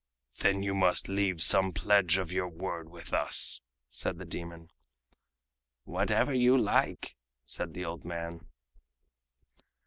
"Then you must leave some pledge of your word with us," said the demon. "Whatever you like," said the old man.